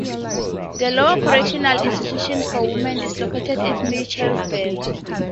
The Iowa Correctional Institution for Women is located in Mitchellville.